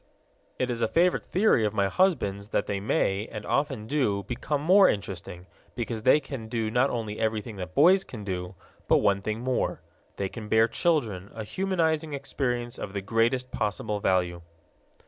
It is a favorite theory of my husband's that they may, and often do, become more interesting, because they can do not only everything that boys can do but one thing more they can bear children, a humanizing experience of the greatest possible value.